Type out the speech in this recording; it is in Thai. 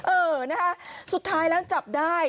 เออนะคะสุดท้ายแล้วจับได้